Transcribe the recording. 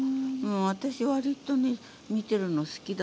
私割とね見てるの好きだったの。